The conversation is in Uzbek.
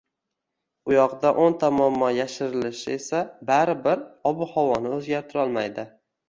u yoqda o‘nta muammo yashirilishi esa baribir ob-havoni o‘zgartirolmaydi.